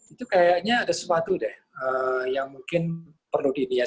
itu kayaknya ada sesuatu deh yang mungkin perlu dihidupkan